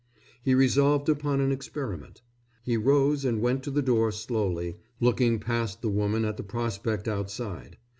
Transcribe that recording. He resolved upon an experiment. He rose and went to the door slowly, looking past the woman at the prospect outside.